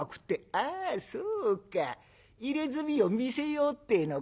ああそうか入れ墨を見せようってえのか。